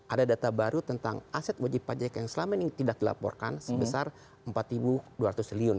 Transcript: ada data baru tentang aset wajib pajak yang selama ini tidak dilaporkan sebesar rp empat dua ratus triliun